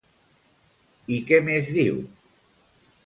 I què més diu?